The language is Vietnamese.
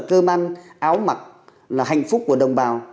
cơ ăn áo mặc là hạnh phúc của đồng bào